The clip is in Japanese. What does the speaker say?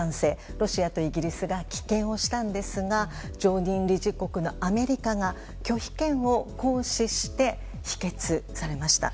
ロシアとイギリスが棄権したんですが常任理事国のアメリカが拒否権を行使して否決されました。